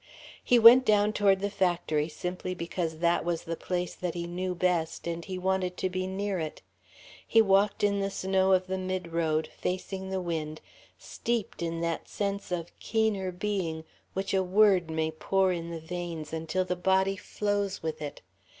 He went down toward the factory simply because that was the place that he knew best, and he wanted to be near it. He walked in the snow of the mid road, facing the wind, steeped in that sense of keener being which a word may pour in the veins until the body flows with it.